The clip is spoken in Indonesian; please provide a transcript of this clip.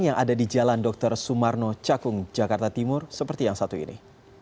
yang ada di jalan dr sumarno cakung jakarta timur seperti yang satu ini